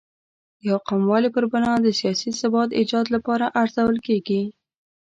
د یو قوموالۍ پر بنا د سیاسي ثبات ایجاد لپاره ارزول کېږي.